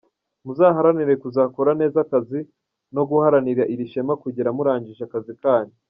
Muzaharanire kuzakora neza akazi no guharanira iri shema kugera murangije akazi kanyu”.